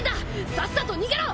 さっさと逃げろ！